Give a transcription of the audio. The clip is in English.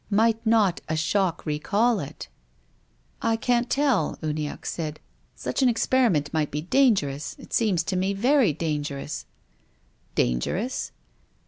Might not a shock recall it ?"" I can't tell," Uniacke said. " Such an experi ment might be dangerous, it seems io me, very dangerous." " Dangerous